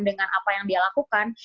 dengan apa yang dia lakukan